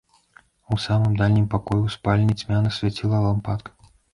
У самым дальнім пакоі, у спальні, цьмяна свяціла лампадка.